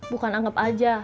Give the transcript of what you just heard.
bukan anggap aja